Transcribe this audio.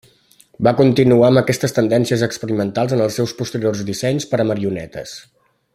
Va continuar amb aquestes tendències experimentals en els seus posteriors dissenys per a marionetes.